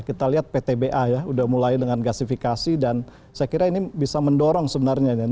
kita lihat ptba ya sudah mulai dengan gasifikasi dan saya kira ini bisa mendorong sebenarnya